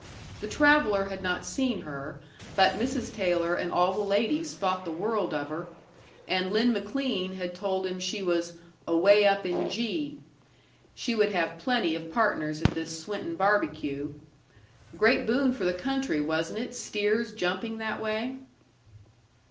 The traveller had not seen her, but Mrs. Taylor and all the ladies thought the world of her, and Lin McLean had told him she was "away up in G." She would have plenty of partners at this Swinton barbecue. Great boon for the country, wasn't it, steers jumping that way?